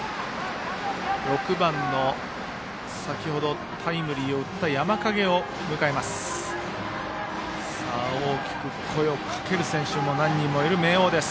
６番の先ほどタイムリーを打った山蔭を迎えます。